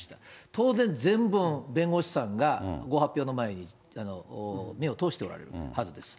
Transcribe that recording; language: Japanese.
当然、全文、弁護士さんがご発表の前に目を通しておられるはずです。